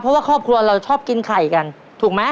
เพราะว่าครอบครัวเราชอบกินไข่กันถูกไหม